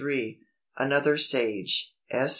Another Sage (S.